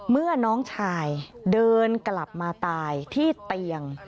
เมื่อน้องชายเดินกลับมาตายที่เตียง